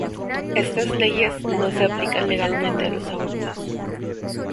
Estas leyes no se aplican legalmente a los abortos.